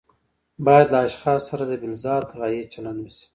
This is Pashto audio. باید له اشخاصو سره د بالذات غایې چلند وشي.